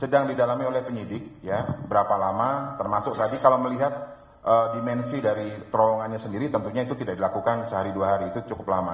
sedang didalami oleh penyidik ya berapa lama termasuk tadi kalau melihat dimensi dari terowongannya sendiri tentunya itu tidak dilakukan sehari dua hari itu cukup lama